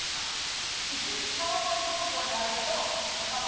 市立川越高校にはあるけど他の高校にはない。